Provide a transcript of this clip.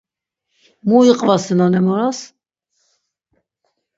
Mu iqvasinon em oras?